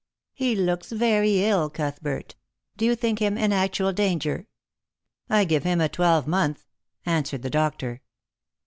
''" He looks very ill, Cuthbert. Do you think him in actual danger?" " I give him a twelvemonth," answered the doctor.